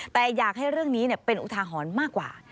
แต่อยากให้เรื่องนี้เป็นอุทาหรณ์มากกว่า